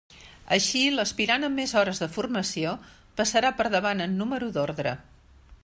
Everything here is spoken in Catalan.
Així l'aspirant amb més hores de formació passarà per davant en número d'ordre.